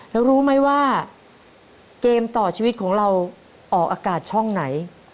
แล้วรู้ไหมว่าเกมต่อชีวิตของเราออกอากาศช่องไหน